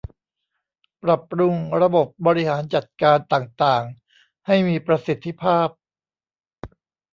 ปรับปรุงระบบบริหารจัดการต่างต่างให้มีประสิทธิภาพ